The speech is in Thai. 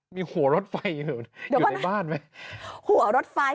มีหัวรถไฟอยู่ในบ้านไหม